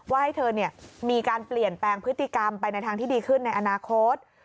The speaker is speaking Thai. ว่าให้เธอมีการเปลี่ยนแปลงพฤติกรรมไปในทางที่ดีขึ้นในอนาคต